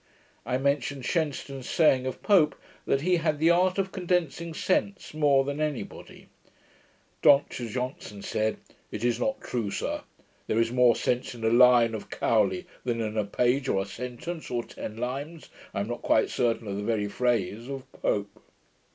I mentioned Shenstone's saying of Pope, that he had the art of condensing sense more than any body. Dr Johnson said, 'It is not true, sir. There is more sense in a line of Cowley than in a page' (or a sentence of ten lines I am not quite certain of the very phrase) 'of Pope.'